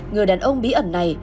người đàn ông bí ẩn này